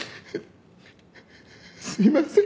すいません。